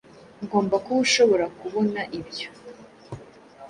Ugomba kuba ushobora kubona ibyo